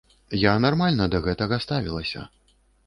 Я нармальна да гэтага ставілася.